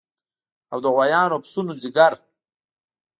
او د غوایانو او پسونو ځیګر